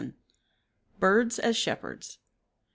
BIRDS AS SHEPHERDS.